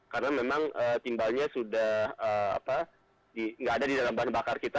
karena memang timbalnya sudah tidak ada di dalam bahan bakar kita